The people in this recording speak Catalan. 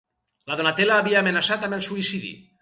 La Donatella havia amenaçat amb el suïcidi.